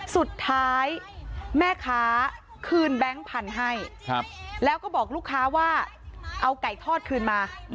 สุดท้ายแม่ค้าคืนแบงค์พันธุ์ให้แล้วก็บอกลูกค้าว่าเอาไก่ทอดคืนมา